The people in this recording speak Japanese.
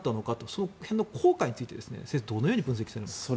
その辺の効果について先生はどのように分析されますか？